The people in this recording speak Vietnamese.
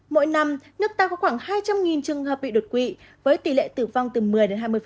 mỗi năm nước ta có khoảng hai trăm linh trường hợp bị đột quỵ với tỷ lệ tử vong từ một mươi đến hai mươi